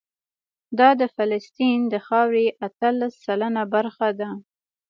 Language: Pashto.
دا د فلسطین د خاورې اتلس سلنه برخه ده.